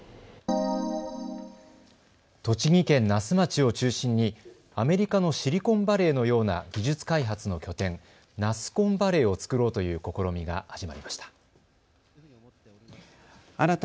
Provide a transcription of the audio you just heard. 栃木県那須町を中心にアメリカのシリコンバレーのような技術開発の拠点、ナスコンバレーを作ろうという試みが始まりました。